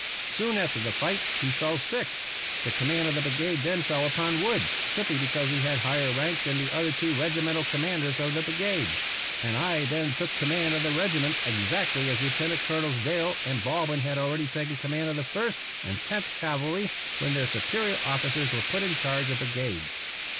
Soon after the fight he fell sick. The command of the brigade then fell upon Wood, simply because he had higher rank than the other two regimental commanders of the brigade; and I then took command of the regiment exactly as Lieutenant Colonels Veile and Baldwin had already taken command of the First and Tenth Cavalry when their superior officers were put in charge of brigades.